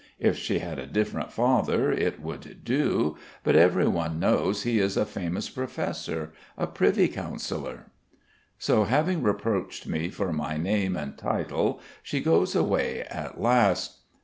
If she had a different father, it would do, but everyone knows he is a famous professor, a privy councillor." So, having reproached me for my name and title, she goes away at last.